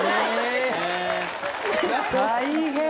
大変！